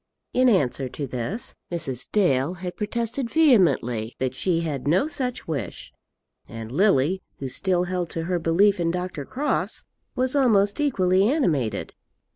In answer to this, Mrs. Dale had protested vehemently that she had no such wish, and Lily, who still held to her belief in Dr. Crofts, was almost equally animated.